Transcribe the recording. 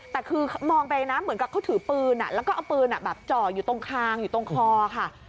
แต่คือมองไปนะเหมือนกับเขาถือปืนแล้วก็เอาปืนจ่ออยู่ตรงคางอยู่ตรงคอค่ะ